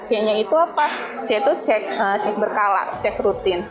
c nya itu apa c itu cek berkala cek rutin